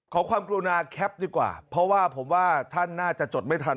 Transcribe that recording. ขอความกรุณาแคปดีกว่าเพราะว่าผมว่าท่านน่าจะจดไม่ทัน